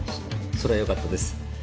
それはよかったです。